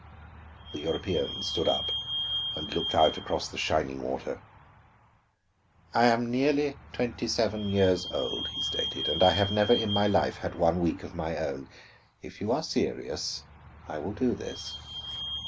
The European stood up and looked out across the shining water. "I am nearly twenty seven years old," he stated, "and I have never in my life had one week of my own. If you are serious, I will do this."